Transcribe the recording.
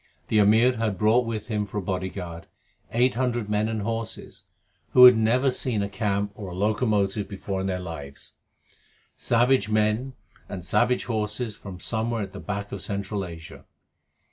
The Amir had brought with him for a bodyguard eight hundred men and horses who had never seen a camp or a locomotive before in their lives savage men and savage horses from somewhere at the back of Central Asia.